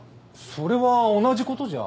それは同じ事じゃ？